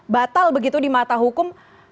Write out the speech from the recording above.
batal begitu di mata hukum